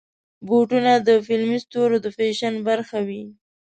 بوټونه د فلمي ستورو د فیشن برخه وي.